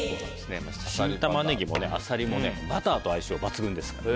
新タマネギもアサリもバターと相性抜群ですからね。